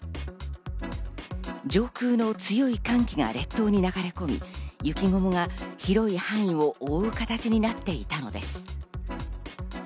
上空の強い寒気が列島に流れ込み、雪雲が広い範囲を覆う形になっていたのです。